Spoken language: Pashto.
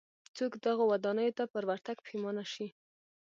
څوک دغو ودانیو ته پر ورتګ پښېمانه شي.